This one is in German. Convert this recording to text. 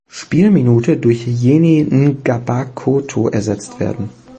Spielminute durch Yeni N’Gbakoto ersetzt werden.